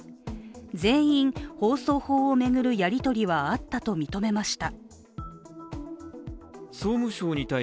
全員、放送法を巡るやり取りはあったと認めました。